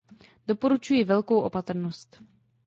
Doporučuji velkou opatrnost.